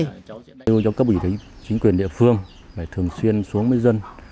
chúng tôi đưa cho cấp ủy chính quyền địa phương phải thường xuyên xuống với dân